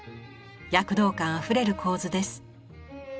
躍動感あふれる構図です。